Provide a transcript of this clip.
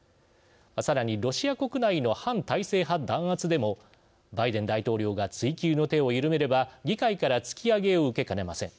さらにロシア国内の反体制派弾圧でもバイデン大統領が追及の手を緩めれば議会から突き上げを受けかねません。